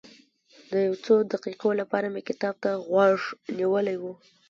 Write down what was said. د یو څو دقیقو لپاره مې کتاب ته غوږ نیولی و.